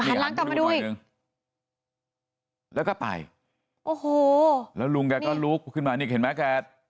ล้างกลับมาดูอีกหนึ่งแล้วก็ไปโอ้โหแล้วลุงแกก็ลุกขึ้นมานี่เห็นไหมแก